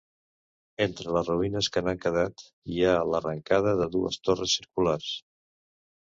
Entre les ruïnes que n'han quedat hi ha l'arrencada de dues torres circulars.